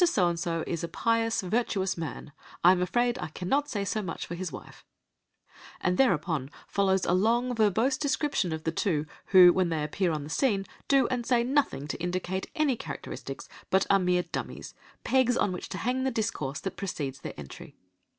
So and So is a pious, virtuous man, I am afraid I cannot say so much for his wife," and thereupon follows a long verbose description of the two, who when they appear on the scene do and say nothing to indicate any characteristics, but are mere dummies, pegs on which to hang the discourse that precedes their entry.